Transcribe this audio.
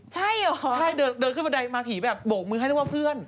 ใช่เหรอคะใช่เดินขึ้นบันไดมาผีแบบโบกมือให้เรียกว่าเพื่อน